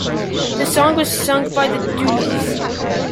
The song was sung by The Dooleys.